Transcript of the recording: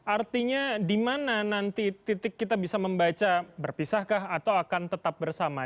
artinya di mana nanti titik kita bisa membaca berpisahkah atau akan tetap bersama